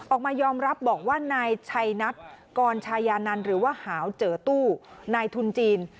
ออกมายอมรับบอกว่านายชัยนัทกรชายานันหรือว่าหาวเจอตู้นายทุนจีน